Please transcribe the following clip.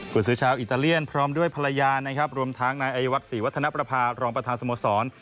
คุณศื้อชาวอิตาเลียนพร้อมด้วยภรรยารวมทางนายอัยวัศยศรีวัฒนประภารองประธานสมสรรค์